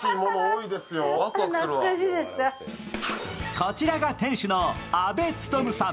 こちらが店主の阿部力さん。